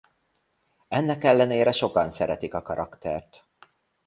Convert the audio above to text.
Ennek ellenére sokan szeretik a karaktert.